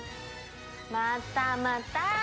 またまた！